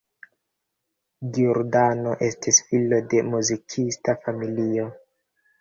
Giordano estis filo de muzikista familio.